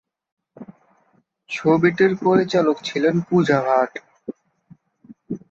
ছবিটির পরিচালক ছিলেন পূজা ভাট।